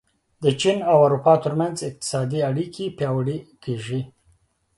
د چین او اروپا ترمنځ اقتصادي اړیکې پیاوړې کېږي.